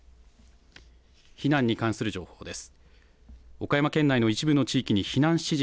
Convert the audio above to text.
避難に関する情報です。